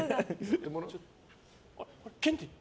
ケンティー！